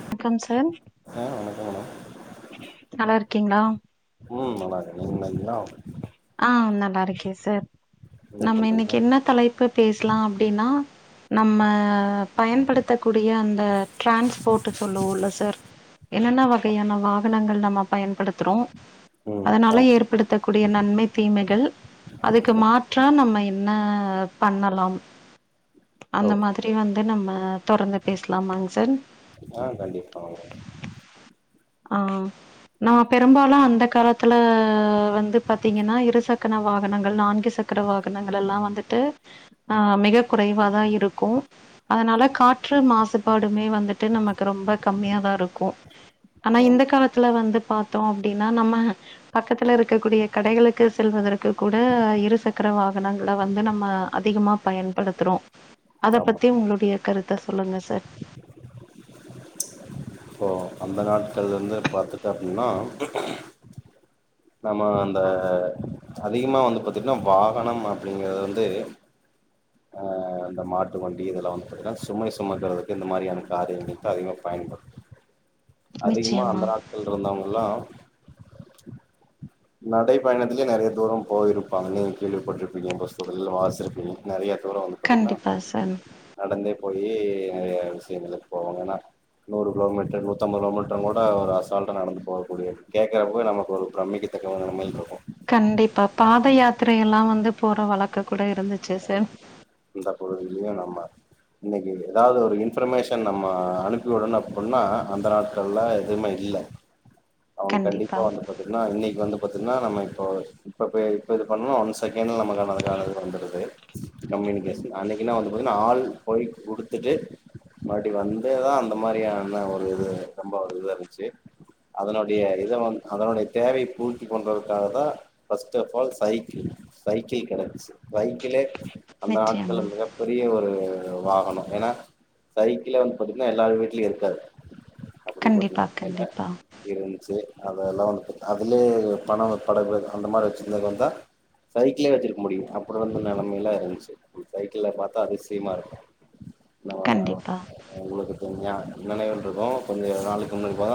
வணக்கம் சார் ஆ வணக்கம் மேடம் நல்லா இருக்கீங்ளா ம் நல்லாருக்கே நீங்க நல்லாக்கீங்களா ஆ நல்லா இருக்கே சார் என்ன நம்ம பண்றீங்க இன்னைக்கு என்ன தலைப்பு பேசலா அப்டீன்னா நம்ம பயன்படுத்தக்கூடிய அந்த டிரான்ஸ்போர்ட்டு சொல்லுவோல்ல சார் என்னென்ன வகையான வாகனங்கள் நம்ம பயன்படுத்துறோ ம் அதனால ஆமா ஏற்படுத்தக்கூடிய நன்மே தீமைகள் அதுக்கு மாற்றா நம்ம என்ன பண்ணலாம் அந்த ஓகே மாதிரி வந்து நம்ம தொடர்ந்து பேசலாமாங் சார் ஆ கண்டிப்பாங்க ஆ நா பெரும்பாலு அந்த காலத்துல வந்து பாத்தீங்கன்னா இருசக்கன வாகனங்கள் நான்கு சக் சக்கர வாகனங்கள் எல்லா வந்துட்டு ஆ மிக குறைவாதா இருக்கு அதனால காற்று மாசுபாடுமே வந்துட்டு நமக்கு ரொம்ப கம்மியா தா இருக்கு ஆனா ஆமா இந்த காலத்துல வந்து பாத்தோ அப்டீன்னா நம்ம பக்கத்துல இருக்கக்கூடிய கடைகளுக்கு செல்வதற்கு கூட இருசக்கர வாகனங்கள வந்து நம்ம அதிகமா பயன்படுத்துறோ அத ஆமா பத்தி உங்ளுடைய கருத்த சொல்லுங்க சார் இப்போ அந்த நாட்கள்லருந்து பாத்துட்டோ அப்டீன்னா நம்ம அந்த அதிகமா வந்து பாத்தீட்னா வாகனம் அப்டீங்கிறது வந்து அந்த மாட்டு வண்டி இதெல்லா வந்து பாத்தீங்கன்னா சுமை சுமக்குறதுக்கு இந்த மாரியான காரியங்களுக்குதா அதிகமா பயன்படு அதிகமா நிச்சயமா. அந்த நாட்கள் இருந்தவங்கல்லா நடை பயணத்துலயே நெறைய தூரம் போயிருப்பாங்க நீங்க கேள்விப்பட்ருப்பீங்க பஸ்சுகள் வாசுச்சிருப்பீங்க நெறைய தூரோ வந்து பாத்தீங்கன்னா கண்டிப்பா சார் நடந்தே போயி நெறைய விஷயங்களுக்கு போவாங்கன்னா நூறு கிலோமீட்டர் நூத்தம்பது லோமீட்டர்லா கூட ஒரு அசால்ட்டா நடந்து போகக்கூடியது கேட்கறப்போ நமக்கு ஒரு பிரம்க்கிது [inaudible] ருக்கு கண்டிப்பா பாத யாத்திரை எல்லா வந்து போற வழக்க கூட இருந்துச்சு சார் இந்த பொருதிலயு நம்ம இன்னைக்கு எதாது ஒரு இன்ஃபர்மேஷன் நம்ம அனுப்பிவிடணு அப்புன்னா அந்த நாட்கள்ல எதுமே இல்ல அவ கண்டிப்பா வந்து பாத்திங்கன்னா இன்னிக்கு வந்து பாத்திங்கன்னா நம்ம இப்போ இப்போப்ப இப்போ இது பண்ணுனா ஒன் செகண்டில நமக்குனதுக்கானது வந்துடுது அன்னைக்குன வந்து பாத்தீங்கன்னா ஆள் போய் குடுத்துட்டு மறுப்டி வந்தேதா அந்த மாரியான ஒரு இது ரொம்ப ஒரு இது இருந்துச்சு அதனுடைய இத வந்து அதனுடைய தேவைய பூர்த்தி பண்றதுக்காகதா first of all cycle cycle கெடச்சு சைக்கிளே அந்த நாட் நிச்சயமா மிகப்பெரிய ஒரு வாகனோ எனா சைக்கிளே வந்து பத்தீங்கன்னா எல்லாரு வீட்லயு இருக்காது அப்டி கண்டிப்பா பாத்தீங்கனா கண்டிப்பா இருந்துச்சு அதெல்லா வந்து அதுலயே பணோ படகு அந்த மாரி வெச்சிருந்தக்கு வந்தா சைக்கிளே வெச்சிருக்க முடியு அப்புறோ வந்து நிலமைலா இருந்துச்சு சைக்கிள பாத்தா அதிசயமா இருக்கு நம்ம கண்டிப்பா உங்களுக்கு தெஞ்சா நினைவுகள் இருக்கு கொஞ்சோ நாளுக்கு முன்பா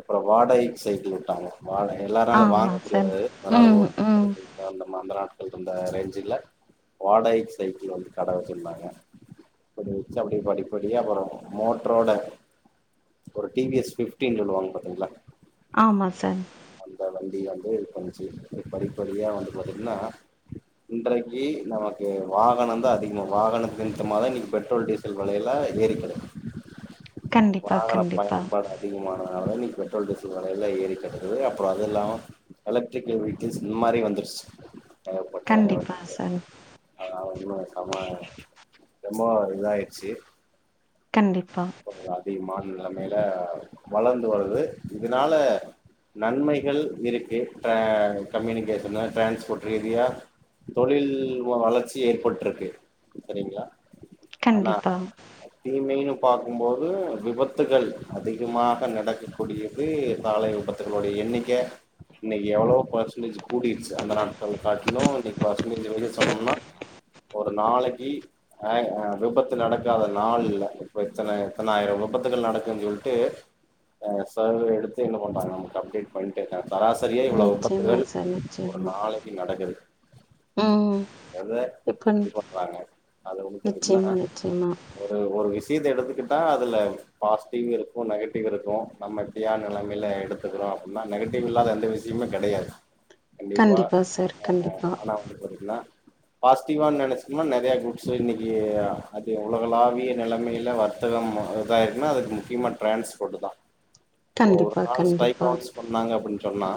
அப்புறோ வாடகைக்கு சைகிள் விட்டாங்க வாடக எல்லாராலு ஆமா வாங்க சார் முடியாது அதனால ஒரு ம் ம் அந்த மந்தரா நாட்கள் இருந்த ரேஞ்சுல வாடகைக்கு சைக்கிள் வந்து கட வெச்சிருந்தாங்க அப்படி வெச்சு அப்படியே படிப்படியா அப்றோ மோட்ரோட ஒரு டி வி எஸ் பிப்டீன் சொல்லுவாங்க பாத்தீங்களா ஆமா சார் அந்த வண்டி வந்து கொஞ் இப்டி படிப்படியா வந்து பாத்தீங்கனா இன்றைக்கு நமக்கு வா வாகனந்தா அதிகமா வாகன நிமித்தமா தா இன்னைக்கு பெட்ரோல் டீசல் விலையெல்லா ஏறிக் கெடக்கு கண்டிப்பா வாகனப் கண்டிப்பா பயன்பாடா அதிகமானதால இன்னைக்கு பெட்ரோல் டீசல் வெலையெல்லா ஏறிக் கெடக்குது அப்றோ அது இல்லாம எலக்ட்ரிகல் வெஹிக்கள்ஸ் இந்த மாரி வந்துருச்சு ஏகப்பட்ட கண்டிப்பா வண்டிங்க சகோ அதனால இன்னு காமா ரொம்பவு இதாயிருச்சு கண்டிப்பா கொஞ்ச அதிகமான நிலமைல வளர்ந்து வருது இதுனால நன்மைகள் இருக்கு அ கம்யூனிகேஷனு டிரான்ஸ்போர்ட் ரீதியா தொழில் வ வளர்ச்சி ஏற்பட்ருக்கு செரிங்களா ஆனா கண்டிப்பா தீமைன்னு பாக்கும்போது விபத்துகள் அதிகமாக நடக்கக்கூடிய இது காலை விபத்துக்களோட எண்ணிக்க இன்னைக்கு எவளவோ பெர்சன்டேஜ் கூடிருச்சு அந்த நாட்கள்ல காட்டிலு இன்னைக்கு பெர்சன்டேஜ வெளிய சொன்னம்னா ஒரு நாளக்கி அ ஆ விபத்து நடக்காத நாள் இல்ல இப்ப இத்தன இத்தனாயிர விபத்துகள் நடக்குதுன் சொல்ட்டு அ சர்வே எடுத்து என்ன பண்றாங்க நமக்கு அப்டேட் பண்ட்ருக்காங்க சராச சரியா இவ்ளோ நிச்சயமா விபத்துகள் சார் ஒரு நிச்சயமா நாளைக்கு நடக்குது ம் எத இப்ப இப்டி பண்றாங்க அத ஒன்னு பாத்திட்னா நிச்சயமா நிச்சயமா ஒரு ஒரு விஷ்யத்த எடுத்துக்கிட்டா அதுல பாசிட்டிவ்வு இருக்கு நெகட்டிவ்வு இருக்கு நம்ம தியான நெலமைல எடுத்துக்கிறோ அப்டினா நெகட்டிவ் இல்லாத எந்த விஷ்யமு கெடையாது கண்டிப்பா சார் கண்டிப்பா நா வந்து கொறைக்கிலா தீவான் நெனச்சுக்கனா நெறைய குரூப்ஸு இன்னைக்கு அது உலகளாவிய நெலமைல வர் புத்தகமா இதாயிருக்குனா அதுக்கு முக்கியமா டிரான்ஸ்போர்ட்டு தா கண்டிப்பா கண்டிப்பா சொன்னாங்க அப்டின் சொன்னா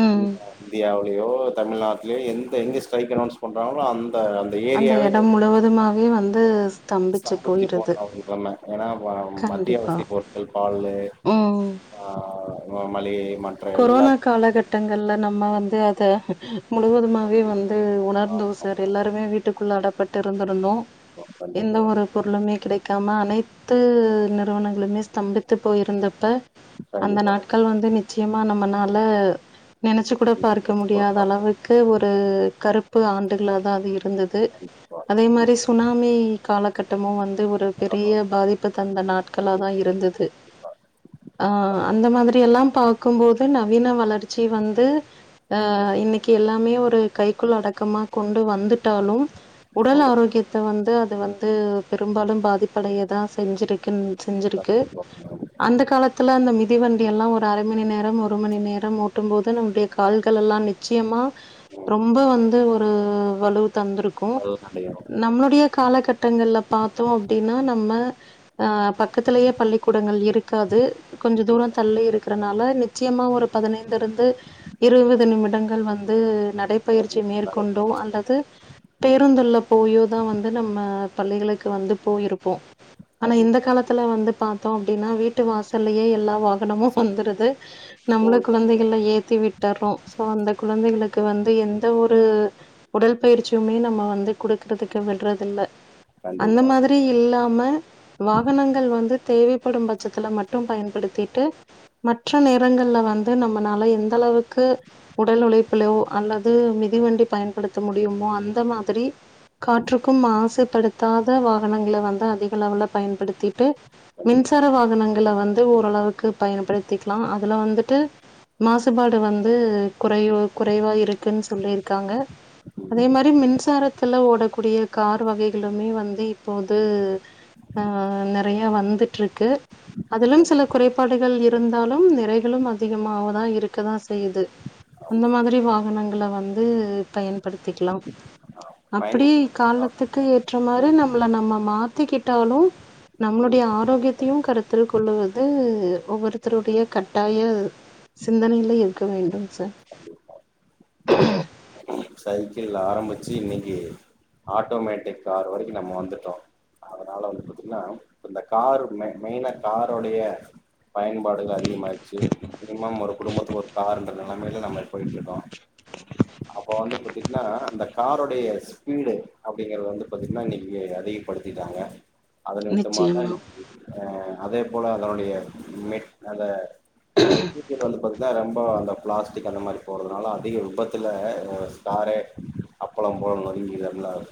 ம் இந்த இந்தியாவுலயோ தமிழ்நாட் லயோ எந்த எங்க ஸ்ட்ரைக் அலொன்ஸ் பண்றாங்களோ அந்த அங் அந்த எடம் முழுவதுமாவே வந்து ஸ்தம்பிச்சு சம்பத்தி போயிருது [unintelligible] சொன்னே ஏனா வ கண்டிப்பா மத்தியாவசிய பொருட்கள் பாலு ம் ஆ ஆமா மளிகை மற்ற எல்லா கொரோனா காலகட்டங்கள்ல நம்ம வந்து அத முழுவதுமாவே கண்டிப்பா வந்து உணர்ந்தோ சார் ஆமாமா எல்லாருமே வீட்டுக்குள்ள அடப்பட்டு இருந்திருந்தோ எந்த கண்டிப்பா ஒரு பொருளுமே கிடைக் க்காம அனைத்து நிறுவனங்களுமே ஸ்தம்பித்து போயிருந்தப்ப அந்த கண்டிப்பா நாட்கள் வந்து நிச்சயமா நம்மனால நெனச்சு கூட பார்க்க இப்ப முடியாத குடுப்பா அளவுக்கு ஒரு கருப்பு ஆண்டுகளா தா அது இருந்தது இப் பார் அதே மாரி சுனாமி காலகட்டமு வந்து ஒரு பெரிய ஆமா பாதிப்ப தந்த நாட்களா தா கண்டிப்பா இருந்தது கண்டிப்பா ஆ நம்ம அந்த மாதிரியெல்லா பாக்கும்போது நவீன வளர்ச் ச்சி வந்து அ ம் இன்னைக்கி எல்லாமே ஒரு கை க்குள் அடக்கமா கொண்டு வந்துட்டாலும் உடல் கொண்டு ஆரோக்கியத் த வந்து அது வந்து பெரும்பாலும் பாதிப்படையதா செஞ்சிருக் குன் வந்து செஞ்சிருக்கு கண்டிப்பா அந்த காலத்தில அந்த மிதிவண்டி எல்லா ஒரு அரை மணி நேரம் ஒரு மணி நேரம் ஓட்டும் போது நம்முடைய கால்கள் எல்லா நிச்சயமா ம் ரொம்ப வந்து ஒரு வலு தந்திருக்கு பல்நடையம் நம்மளுடைய காலகட்டங்கள்ல பாத்தோ அப்பிடின்னா நம்ம ஆ பக்கத்திலேயே பள்ளிக்கூடங்கள் இருக்காது கொஞ்சு தூரோ தள்ளி இருக் க்கறனால நிச்சயமா ஒரு பதினைந்து இருந்து இருபது நிமிடங்கள் வந்து நடி நடைபயிற்சி மேற்கொண்டோ நடைபெறும் அல்லது பேருந்துல்ல போயோதா வந்து நம்ம பள்ளிகளுக்கு வந்து போயிருப்போ ஆனா இந்த கண்டிப்பா காலத்துல வந்து பாத்தோ அப்படின்னா வீட்டு வாசல்லயே எல்லா வாகனமு ஸ்கூ- வந்துருது நம்மளு ஸ்கூல் நடக்கும் கொழந்தைகள்ல ஏத்தி த்தி விட்டுறோ சோ அந்த குழந்தைகளுக்கு வந்து எந்த ஒரு உடல் பயிற்சியுமே நம்ம வந்து குடுக்குறதுக்கு விடுறது இல்ல அந்த கண்டிப்பா மாதிரி இல்லாம வாகனங்கள் வந்து தேவைப்படும் பட்சத்துல மட்டும் பயன்படுத்திட்டு மற்ற நேரங்கள்ல வந்து நம்மளால எந்த அளவுக்கு உடல் உழைப்புலோ அல்லது மிதிவண்டி பயன்படுத்த முடியுமோ அந்த மாதிரி காற்றுக்கும் மாசுப்படுத்தாத வாகனங்களை வந்து அதிக அளவுல பயன்படுத்திட்டு கண்டிப்பா மின்சார வாகனங்களை வந்து ஓரளவுக்கு பயன்படுத்திக்கலா அதுல வந்துட்டு மாசுபாடு வந்து குறை குறைவா இருக்குன்னு சொல்லியிருக்காங்க அதே ம் மாரி மின்சாரத்துல ஓடக் கூடிய கார் வகைகளுமே வந்து இப்போது ஆ நறையா வந்துட்டுருக்கு அதிலும் சில கண்டிப்பா குறைபாடுகள் இரு இருந்தாலும் நிறைகளும் அதிகமாவதான் இருக்கதா செய்யுது அந்த மாதிரி வாகனங்கள வந்து பயன்படுத்திக்கலா ஆ அப்படி பயன்படுத்தி ஆ காலத்துக்கு ஏற்ற மாரி ம் நம்மள நாம்ம மா சுத்திக்கிட்டாலு நம்மளுடைய ம் ஆரோக்கியத்தையு கருத்தில் கொள்வது ஒவ்வொரு ஒத்தருடைய கட்டாய சிந்தனையில இருக்க வேண்டும் சார் ஓ சைக்கிள்ள ஆரம்பிச்சு இன்னைக்கு ஆட்டோ மேட்டிக் கார் வரைக்கு நம்ம வந்துட்டோ அதனால வந்து பாத்தீங்கன்னா இந்த காரு மெயினா கரோடைய பயன்பாடுகள் அதிகமாயடுச்சு மினிமம் ஒரு குடும்பத்துக்கு ஒரு காருன்ற நிலைமையில நம்ம போயிட்டு இருக்கோ அப்போ வந்து பாத்தீங்கன்னா அந்த காரோடைய ஸ்பீடு அப்படிங்கறது வந்து பாத்தீங்கன்னா இன்னைக்கு அதிகப்படுத்திட்டாங்க அது நிமித்தமாக நிச்சயமா, ஆ அதே போல அதனுடைய மெட் அத மெட்டீரியல் வந்து பாத்தீன்னா ரொம்ப அந்த பிளாஸ்டிக் அந்த மாரி போறதுனால அதிக விபத்துல ஆ காரே அப்பளம் போல நொறுங்கிறதுனால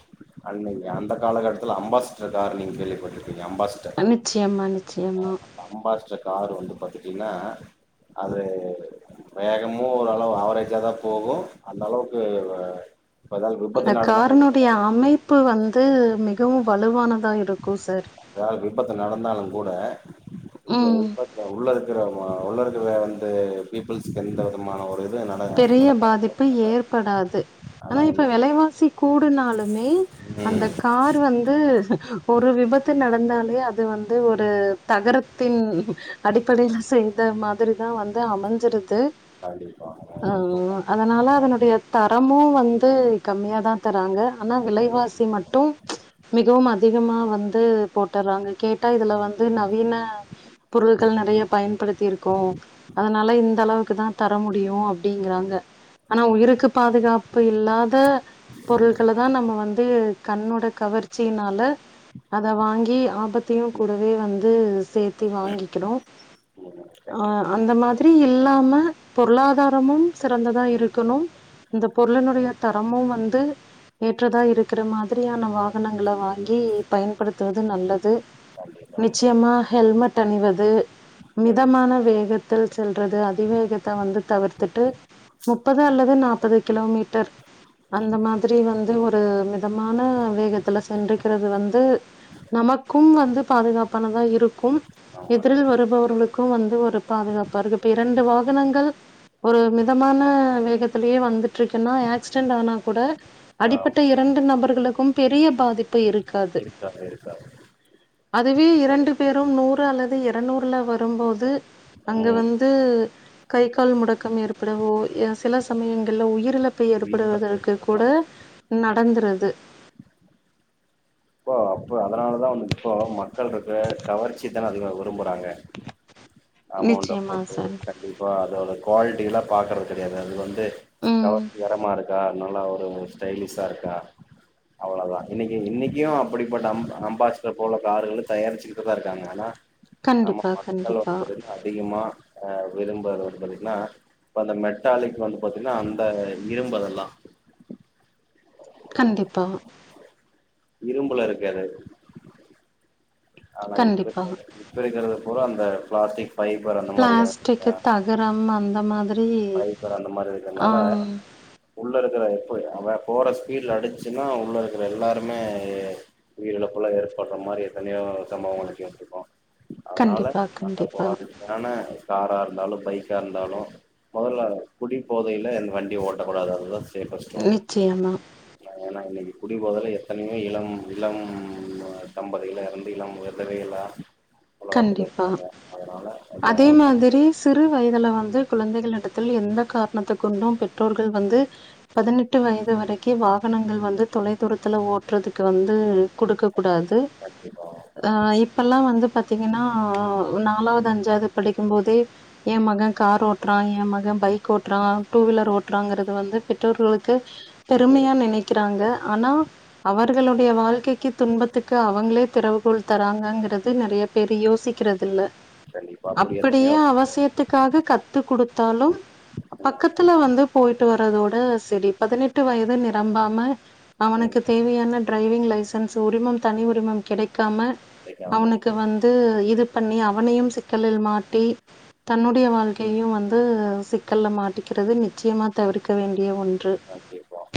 ஆன் லைன்லையா அந்த காலகட்டத்துல அம்பாஸ்டர் காரு நீங்க கேள்விப்பட்டுருக்கீங்களா அம்பாஸ்டர் நிச்சியம்மா நிச்சியம்மா அம்பாஷ்டர் காரு வந்து பாத்திங்கன்னா அது வேகமு ஓரளவு ஆவரேஜா தா போகு அந்த அளவு ஆ இப்ப ஏதாவது அந்த விருப்பத்து நட தா காரினுடைய [unintelligible] அமைப்பு வந்து மிகவு வலுவானதா இருக் எதாவது விபத்து நடந்தாலு கூட ம். விபத்து உள்ள இருக்கிற உள்ள இருக்கவே வந்து பீப்புள்ஸ்கு எந்த விதமான ஒரு இது நட நடக்க பு ஏற்படாது ஆனா இப்ப இன்னைக்கு வெலைவாசி கூடுனாலுமே அந்த ம் கார் வந்து ஒரு விபத்து நடந்தாலே அது வந்து ஒரு தகரத்தின் அடிப்படையில செய்த மாதிரி தா வந்து அமைஞ்சிருது [unintelligible] ஆம்மா அதனால அதனுடைய தரமு வந்து கம்மியாதா தராங்க ஆனா விலைவாசி மட்டு மிகவும் அதிகமா வந்து போட்டுறாங்க கேட்டா இதுல வந்து நவீன பொருள்கள் நறைய பயன்படுத்திருக்கோ அதனால இந்த அளவுக்கு தா தர முடியு அப் டீங்கறாங்க ஆனா உயிருக்கு பாதுகாப்பு இல்லாத பொருள்கள தா நம்ம வந்து கண்ணோட கவர்ச்சினால அத வாங்கி ஆபத்தையு கூடவே வந்து சேத்தி வாங்கிக்கிறோ கண்டிப்பா ஆ அந்த மாதிரி இல்லாம பொருளாதா தமும் சிறந்ததா இருக்கணும் அந்த பொருளினுடைய தரமு வந்து ஏற்றதா இருக்கிற மாதிரியான வாகனங்கள வாங்கி பயன்படுத்துவது நல்லது நிச்சயமா ஹெல்மெட் அணிவது கண்டிப்பா மிதமான வேகத்தில் செல்றது அதிவேகத்த வந்து தவிர் திட்டு முப்பது அல்லது நாப்பது கிலோமீட்டர் அந்த மாதிரி வந்து ஒரு மிதமான வேகத்துல சென்றுகிறது வந்து நமக்கும் வந்து பாதுகாப்பானதா இருக்கும் ஆமா எதிரில் வருபவர்களுக்கும் வந்து ஒரு பாதுகாப்பா இருக்கு இப்ப இரண்டு வாகனங்கள் ஒரு மிதமான வேகத்திலேயே வந்துட்ருக்குன்னா ஆக்சிடென்ட் ஆனா கூட ஆமா. அடிப்பட்ட இரண்டு நபர்களுக்கும் பெரிய பாதிப்பு இருக்காது [unintelligible] அதுவே இப்போ இரண்டு பேரும் நூறு அல்லது இரநூறுல வரும்போது அங்க ம் வந்து கை கால் முடக் பக்கம் ஏற்படவோ சில சமயங்கள்ல உயிரிழப்பு உயிரிழப்பு ஏற்படுவதற்கு கூட போயிட்டுருக்கலாம் நடந்துருது இப்போ அப்ப அதனாலதா வந்து இப்போ மக்கள் இருக்க கவர்ச்சி தான அதிகமா விரும்புறாங்க அமௌண்ட நிச்சயமா போட்டு சார் கண்டிப்பா அதோட குவாலிட்டி எல்லா பாக்கறது கெடையாது அது வந்து ம் கவர்ச்சீகரமா இருக்கா நல்லா ஒரு ஸ்டைலிஷா இருக்கா அவ்வளவுதா இன்னைக்கி இன்னைக் இங்கயு அப்பிடிப்பட்ட அம் அம்பாஸ்டர் போல கார்கள் தயாரிச்சுக்கிட்டுதா இருக்காங்க ஆனா நம்ம கண்டிப்பா மக்கள் வந்து கண்டிப்பா பத்தீங்னா அதிகமா ஆ விரும்பரது வந்து பாத்தீங்கன்னா இப்ப அந்த மெட்டாலிக் வந்து பாத்தீங்ன்னா அந்த இரும்பு அதெல்லா கண்டிப்பா இரும்புல இருக்கு அது ஆனா இப்ப கண்டிப்பா [unintelligible] இப்ப இருக்கிறது பூரா அந்த பிளாஸ்டிக் பைபர் அந்த மாரி அச்சிருக் கரம் அந்த மாதி ஃபய்பர் அந்த மாரி இருக்குறதனால உள்ள இருக்கிற எப்ப அவ போற ஸ்பீட்ல அடிச்சுன்னா உள்ள இருக்கற எல்லாருமே உயிரிழப்புள்ளா ஏற்பட்ற மாரி எத்தனையோ சம்பவங்களுக்கு ஏத்திருக்கோ அதனால கண்டிப்பா நாங்க கண்டிப்பா போற ஆன காரா இருந்தாலு பைக்கா இருந்தாலு மொதல்ல குடி போதையில வண்டி ஓட்டக்கூடாது அதுதா சேஃபஸ்ட் ஒன்னு நிச்சயமா ஏன்னா இன்னைக்கு குடிபோதைல எத்தனயோ இளம் இளம் அ தம்பதிகள் எல்லா எறந்து [unintelligible] உலகத்தில் கண்டிப்பா இருக்காங்க அதனால அ அதே மாதிரி சிறு வயதுல வந்து குழந்தைகளிடத்தில் எந்த காரணத்துக்குண்டு பெற்றோர்கள் வந்து பதினெட்டு வயது வரைக்கு வாகனங்கள் வந்து தொலை தூரத்துல ஓட்றதுக்கு வந்து குடுக்க கூடாது கண்டிப்பா கண்டிப்பா அ இப்பல்லா வந்து பாத்திங்கன்னா நாலாவ்து அஞ்சாவ்து படிக்கும் போதே என் மகன் கார் ஓட் ட்றா எ மக பைக் ஓட்றா டூ வீலர் ஓட்றாங்றது வந்து பெற்றோர்களுக்கு சரி பெருமையா நெனைக்கிறாங்க சரி ஆனா அவர்களுடைய வால்க்கைக்கி துன்பத்துக்கு அவங்ளே திறவுகோள் தராங்கங்றது நெறைய பேரு யோசிக்றதுல்ல கண்டிப்பா அப்படி அப்படியே எத்தனையோ அவசியத் த்துக்காக கத்து குடுத்தாலும் ம், பக்கத்துல வந்து பொய்ட்டு வர்றதோட செரி பதினெட்டு வயது நிரம்பாம அவனுக்கு ம், தேவையான டிரைவிங் லைசன்ஸ் உரிமம் தனி உரிமம் கெடைக்காம கிடைக்காம அவனுக்கு வந்து இது பண்ணி அவனையும் சிக்கலில் மாட்டி தன்னுடைய வால்க்கையு வந்து சிக்கல மாட்டிக்கிறது நிச்சயமா தவிர்க்க வேண்டிய ஒன்று கேட்போம்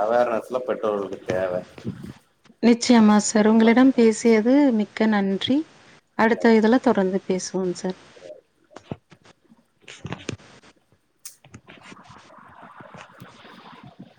அவேர்னஸ்லா பெற்றோர்களுக்கு தேவ நிச்சயமா சார் உங்களிடம் பேசியது மிக்க நன்றி அடுத்த இதுல தொடர்ந்து பேசுவோம் சார்